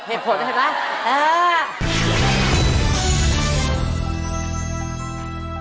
เออได้เหตุผลได้ไหม